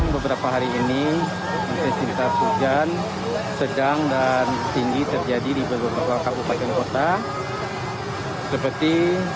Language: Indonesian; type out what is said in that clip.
beberapa hari ini intensitas hujan sedang dan tinggi terjadi di beberapa kabupaten kota seperti